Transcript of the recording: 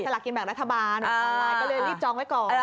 ละกินแบ่งรัฐบาลออนไลน์ก็เลยรีบจองไว้ก่อน